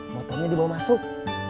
motonya dibawa masuk